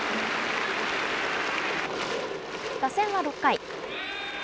打線は６回。